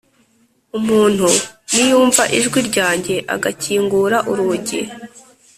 Umuntu niyumva ijwi ryanjye agakingura urugi,